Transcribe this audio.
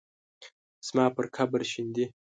زما پر قبر شیندي